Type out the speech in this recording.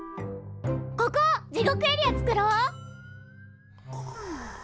ここ地獄エリア作ろう！